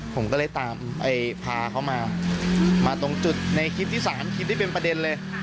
ผมก็เลยตามพาเขามามาตรงจุดในคลิปที่๓คลิปที่เป็นประเด็นเลย